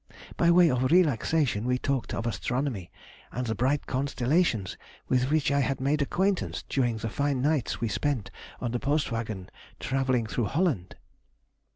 By way of relaxation we talked of astronomy and the bright constellations with which I had made acquaintance during the fine nights we spent on the Postwagen travelling through Holland.